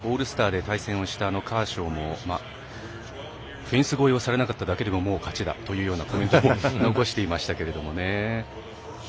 オールスターで対戦をしたカーショーもフェンス越えをされなかっただけでも勝ちだというコメントを残していましたけどね。